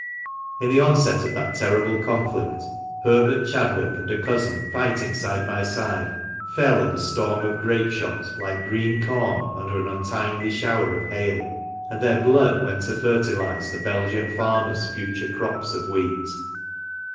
In the onset of that terrible conflict, Herbert Chadwick and a cousin, fighting side by side, fell in a storm of grape shot like green corn under an untimely shower of hail, and their blood went to fertilise the Belgian farmer's future crops of wheat.